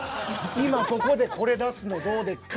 「今ここでこれ出すのどうでっか？」